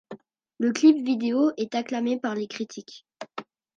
Le clip vidéo est acclamé par les critiques.